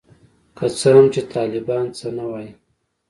که څه هم چي طالبان څه نه وايي.